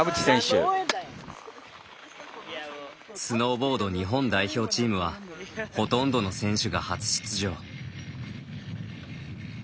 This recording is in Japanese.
スノーボード日本代表チームはほとんどの選手が初出場。